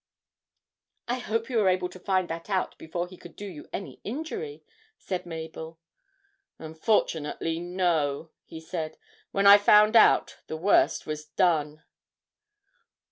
'I hope you were able to find that out before he could do you any injury?' said Mabel. 'Unfortunately, no,' he said. 'When I found out, the worst was done.'